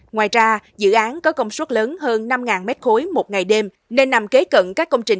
ngoài ra dự án có công suất lớn hơn năm m ba một ngày đêm nên nằm kế cận các công trình